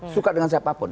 suka dengan siapapun